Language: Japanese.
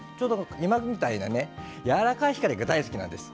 今みたいなやわらかい光が大好きなんです。